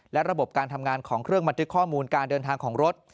และระบบการทำงานของเครื่องบันทึกข้อมูลการเดินทางของรถ